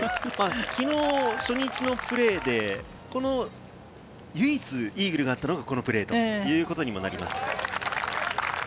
きのう初日のプレーで、唯一、イーグルがあったのがこのプレーということにもなります。